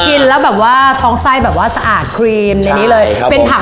กินแล้วแบบว่าท้องไส้แบบว่าสะอาดครีมในนี้เลยเป็นผัก